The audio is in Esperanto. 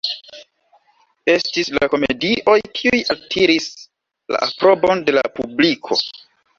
Estis la komedioj kiuj altiris la aprobon de la publiko.